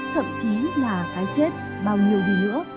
thậm chí là cái chết bao nhiêu đi nữa